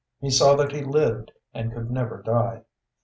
He saw that he lived and could never die.